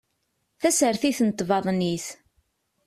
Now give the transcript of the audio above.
Tasertit n tbaḍnit